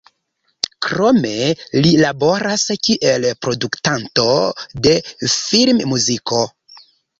Krome li laboras kiel produktanto de filmmuziko.